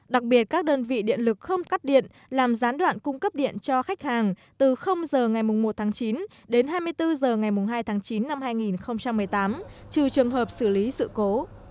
đặc biệt các đơn vị điện lực không cắt điện làm gián đoạn cung cấp điện cho khách hàng từ h ngày một tháng chín đến hai mươi bốn h ngày hai tháng chín năm hai nghìn một mươi tám trừ trường hợp xử lý sự cố